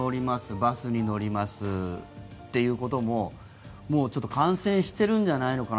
バスに乗りますっていうことももうちょっと感染しているんじゃないのかな